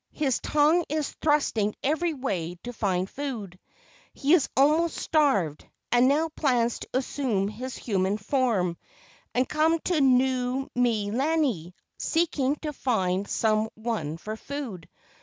His tongue is thrusting every way to find food. He is almost starved, and now plans to assume his human form and come to Nuu mea lani, seeking to find some one for food.